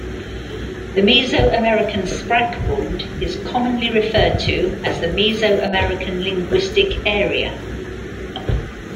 The Mesoamerican sprachbund is commonly referred to as the Mesoamerican Linguistic Area.